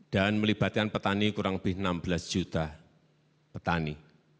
dan melibatkan petani kurang lebih enam belas juta petani